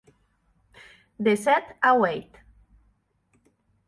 De sèt a ueit.